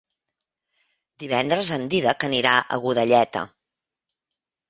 Divendres en Dídac anirà a Godelleta.